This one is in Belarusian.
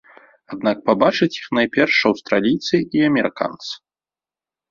Аднак пабачаць іх найперш аўстралійцы і амерыканцы.